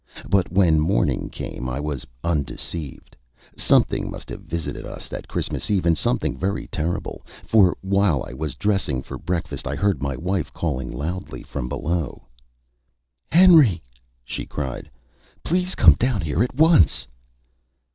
But when morning came I was undeceived. Something must have visited us that Christmas Eve, and something very terrible; for while I was dressing for breakfast I heard my wife calling loudly from below. [Illustration: "IT HAD TURNED WHITE"] "Henry!" she cried. "Please come down here at once."